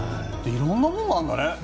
色んなのがあるんだね。